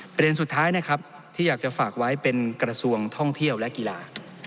ประเด็นสุดท้ายนะครับที่อยากจะฝากไว้เป็นกระทรวงท่องเที่ยวและกีฬา